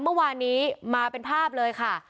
เมื่อวานนี้มาเป็นภาพเลยค่ะ